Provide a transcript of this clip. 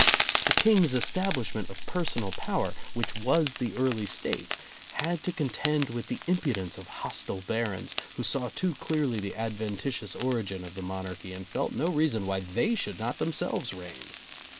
The King's establishment of personal power — which was the early State — had to con tend with the impudence of hostile barons, who saw too clearly the adventitious origin of the monarchy and felt no reason why they should not themselves reign.